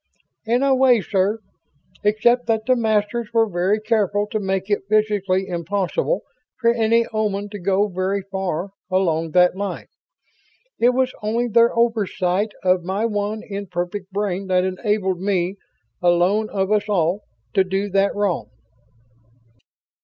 '" "In a way, sir. Except that the Masters were very careful to make it physically impossible for any Oman to go very far along that line. It was only their oversight of my one imperfect brain that enabled me, alone of us all, to do that wrong."